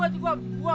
wah lu bawa bekengan